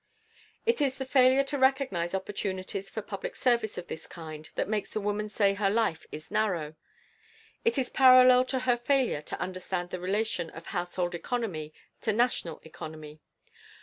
It is the failure to recognize opportunities for public service of this kind that makes the woman say her life is narrow. It is parallel to her failure to understand the relation of household economy to national economy.